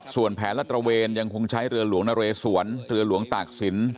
ส่วนแผนรัฐตระเวนยังคงใช้เรือหลวงนเรสวนเรือหลวงตากศิลป